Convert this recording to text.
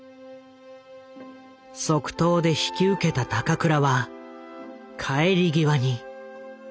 即答で引き受けた高倉は帰り際に。